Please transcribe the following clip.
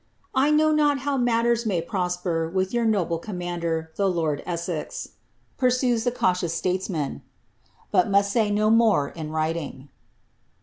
I know ol how matten may prosper with your noble commander, the lord laeex," pursues the cautious statesman, ^but must say no more in niting.''